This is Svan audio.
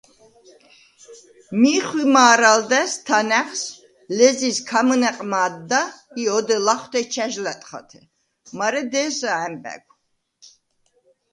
მი ხვიმა̄რა̄ლდა̈ს თანა̈ღს, ლეზიზ ქამჷნა̈ყ მა̄დდა ი ოდე ლახვთე ჩა̈ჟ ლა̈ტხათე, მარე დე̄სა ა̈მბა̈გვ.